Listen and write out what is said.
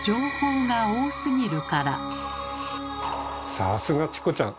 さすがチコちゃん！